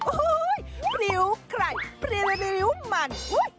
พริ้วไข่พริ้วมันอุ๊ย